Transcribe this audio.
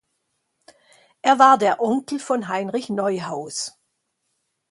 Er war der Onkel von Heinrich Neuhaus.